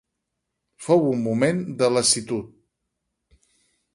Fou un moment de lassitud.